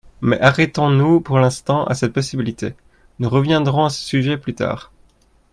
Mais arrêtons-nous pour l’instant à cette possibilité, nous reviendrons à ce sujet plus tard.